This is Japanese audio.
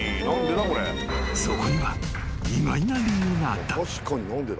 ［そこには意外な理由があった］